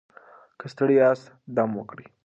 که ستړي یاست دم وکړئ.